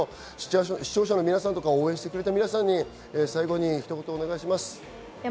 視聴者の皆さん、応援してくれた皆さんに、最後に一言お願いします。